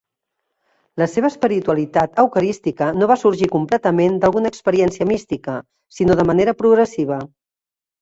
La seva espiritualitat eucarística no va sorgir completament d'alguna experiència mística, sinó de manera progressiva.